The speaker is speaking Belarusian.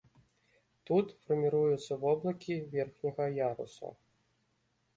Тут фарміруюцца воблакі верхняга ярусу.